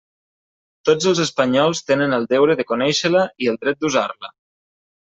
Tots els espanyols tenen el deure de conéixer-la i el dret d'usar-la.